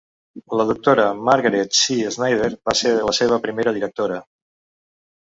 La dra. Margaret C. Snyder va ser la seva primera directora.